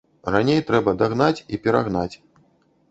Раней трэба дагнаць і перагнаць.